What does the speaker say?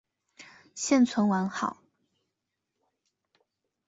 现存完好。